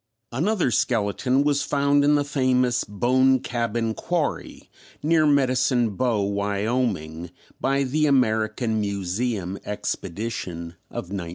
Another skeleton was found in the famous Bone Cabin Quarry, near Medicine Bow, Wyoming, by the American Museum Expedition of 1901.